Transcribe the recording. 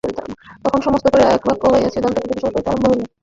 তখন সমস্ত পরিবার একবাক্য হইয়া শ্রীদত্তকে অশেষপ্রকার তিরস্কার করিতে আরম্ভ করিল।